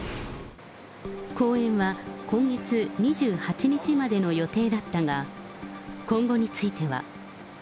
公演は今月２８日までの予定だったが、今後については。